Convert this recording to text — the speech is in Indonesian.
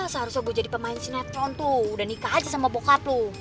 seharusnya gue jadi pemain sinetron tuh udah nikah aja sama bokaplu